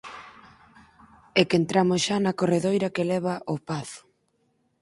_É que entramos xa na corredoira que leva ó "pazo".